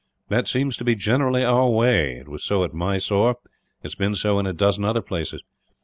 That is generally our way it was so at Mysore, it has been so in a dozen other places.